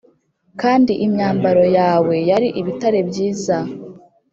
kandi imyambaro yawe yari ibitare byiza